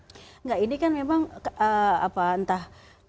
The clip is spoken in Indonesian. enggak ini kan memang apa entah